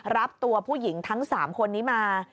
รับตัวผู้หญิงทั้ง๓คนนี้มา